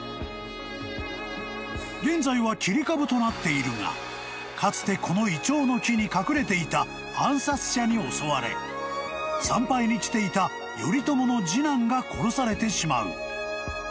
［現在は切り株となっているがかつてこのイチョウの木に隠れていた暗殺者に襲われ参拝に来ていた頼朝の次男が殺されてしまう］